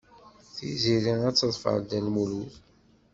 Tiziri ad teḍfer Dda Lmulud.